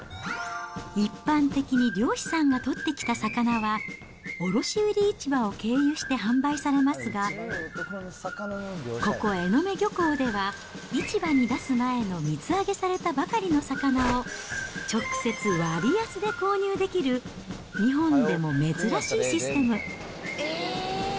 一般的に漁師さんが取ってきた魚は、卸売市場を経由して販売されますが、ここ、えのめ漁港では、市場に出す前の水揚げされたばかりの魚を直接、割安で購入できる、日本でも珍しいシステム。